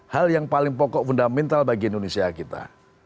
hal yang paling pokok fundamental bagi indonesia kita